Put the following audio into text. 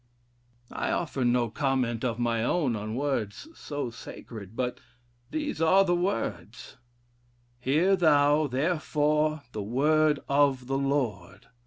"I offer no comment of my own on words so sacred; but these are the words: 'Hear thou, therefore, the word of the Lord.